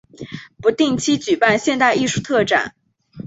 不定期举办现代艺术特展。